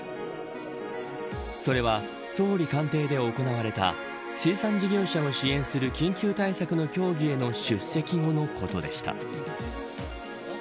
それは、総理官邸で行われた水産事業者を支援する緊急対策の協議への出席後のことでした。